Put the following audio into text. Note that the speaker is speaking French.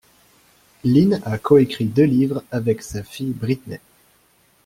Lynne a coécrit deux livres avec sa fille Britney.